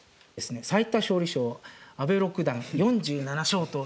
最多勝利賞阿部六段４７勝という。